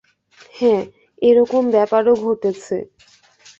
হ্যাঁ, এ-রকম ব্যাপারও ঘটেছে।